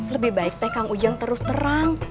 lebih baik teh kang ujang terus terang